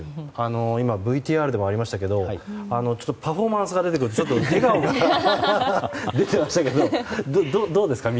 今、ＶＴＲでもありましたけどパフォーマンスが出てくるとちょっと笑顔が出ていましたけど見ててどうですか？